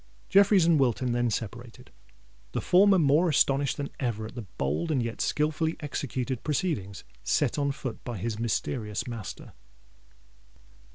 Jeffreys and Wilton then separated, the former more astonished than ever at the bold and yet skilfully executed proceedings set on foot by his mysterious master.